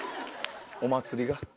お祭りが。